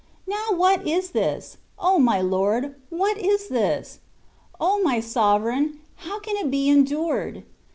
Isovr what is this ? my Lord ! What is this ? O my Sovereign I How can it be endured?